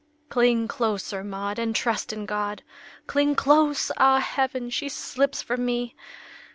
"Cling closer, Maud, and trust in God! Cling close! Ah, heaven, she slips from me!"